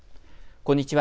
こんにちは。